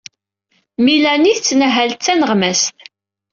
Melanie tettmahal d taneɣmast.